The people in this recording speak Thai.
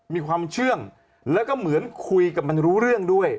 มีความเชื่องแล้วก็เหมือนคุยกับมันรู้เรื่องด้วย